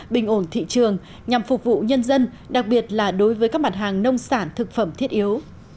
bình ổn thị trường nhằm phục vụ nhân dân đặc biệt là đối với các mặt hàng nông sản thực phẩm thiết yếu